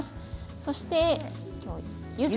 そして、ゆず。